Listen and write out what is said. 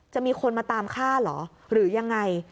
จะมีคนมาตามฆ่าเหรอหรือยังไง